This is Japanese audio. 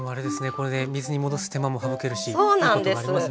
これで水に戻す手間も省けるしいいことがありますね。